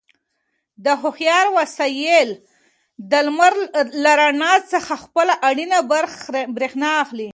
دا هوښیار وسایل د لمر له رڼا څخه خپله اړینه برېښنا اخلي.